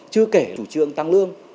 chưa kể chủ trương tăng lương